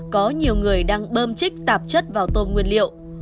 có nhiều người đang bơm chích tạp chất vào tôm nguyên liệu